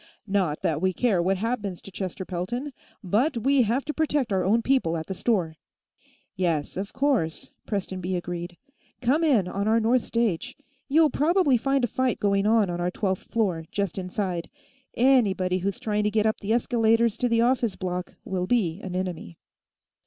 "Not that we care what happens to Chester Pelton, but we have to protect our own people at the store." "Yes, of course," Prestonby agreed. "Come in on our north stage. You'll probably find a fight going on on our twelfth floor, just inside. Anybody who's trying to get up the escalators to the office block will be an enemy."